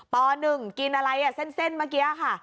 ป๑กินอะไรเส้นเมื่อกี้ค่ะ